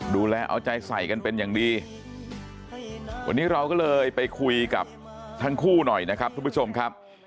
ดูแลเอาใจใส่กันเป็นอย่างดีวันนี้เราก็เลยไปคุยกับทั้งคู่หน่อยนะครับทุกผู้ชมครับ